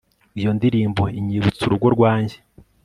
Iyo ndirimbo inyibutsa urugo rwanjye